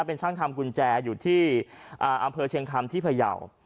เป็นช่างทำกุญแจอยู่ที่อำเภอเชียงคำที่พยาว